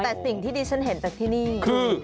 แต่สิ่งที่ดิฉันเห็นจากที่นี่คือ